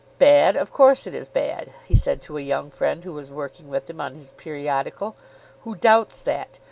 "Bad; of course it is bad," he said to a young friend who was working with him on his periodical. "Who doubts that?